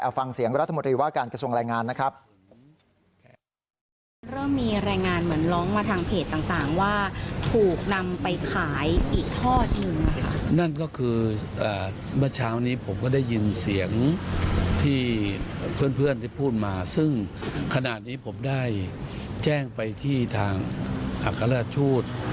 ฟังเสียงรัฐมนตรีว่าการกระทรวงแรงงานนะครับ